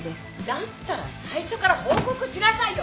だったら最初から報告しなさいよ。